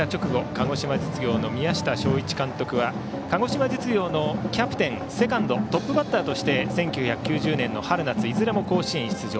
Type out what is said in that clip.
鹿児島実業の宮下正一監督は鹿児島実業のキャプテンセカンドトップバッターとして１９９０年の春夏いずれも甲子園出場。